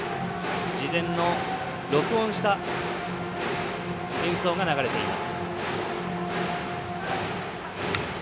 事前の録音した演奏が流れています。